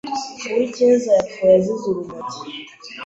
Uwicyeza yapfuye azize urumogi.